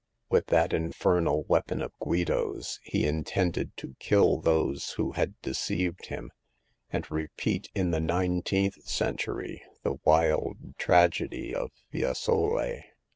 With that infernal weapon of Guido's he intended to kill those who had deceived him, and repeat in the nineteenth century the wild tragedy of Fiesole.